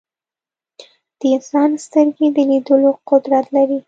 د انسان سترګې د لیدلو قدرت لري.